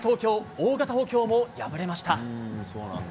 大型補強も敗れました。